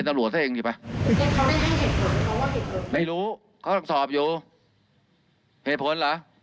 สร้างของซอฟต์